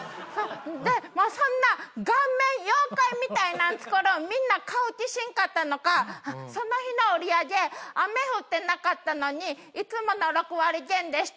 でそんな顔面妖怪みたいなん作るんみんな買う気しんかったのかその日の売り上げ雨降ってなかったのにいつもの６割減でした。